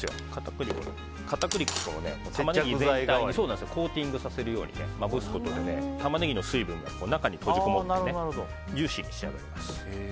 片栗粉をタマネギ全体にコーティングさせるようにまぶすことでタマネギの水分が中に閉じこもってジューシーに仕上がります。